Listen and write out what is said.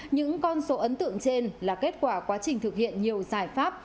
những con số ấn tượng trên là kết quả quá trình thực hiện nhiều giải pháp